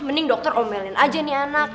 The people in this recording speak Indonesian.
mending dokter omelin aja nih anak